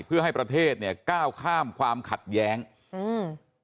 เพื่อให้ประเทศเนี้ยก้าวข้ามความขัดแย้งอืม